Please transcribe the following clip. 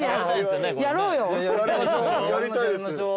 やりたいです。